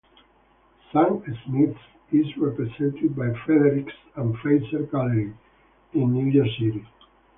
Zak Smith is represented by Fredericks and Freiser Gallery in New York City.